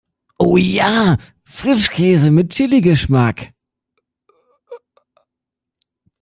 Oh ja, Frischkäse mit Chili-Geschmack!